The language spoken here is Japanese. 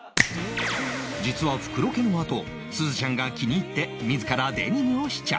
実は服ロケのあとすずちゃんが気に入って自らデニムを試着